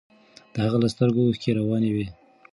د هغه له سترګو اوښکې روانې وې.